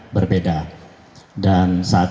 berbeda dan saat